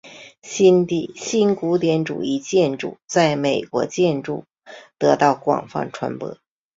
新古典主义建筑在美国建筑得到广泛传播。